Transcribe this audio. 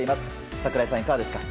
櫻井さん、いかがですか？